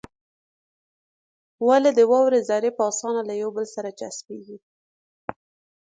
ولې د واورې ذرې په اسانه له يو بل سره چسپېږي؟